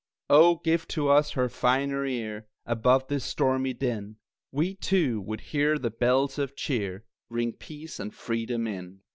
Oh, give to us her finer ear! Above this stormy din, We too would hear the bells of cheer Ring peace and freedom in.